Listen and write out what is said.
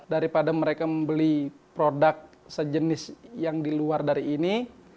daripada mereka membeli produk sejenis yang di luar dari ini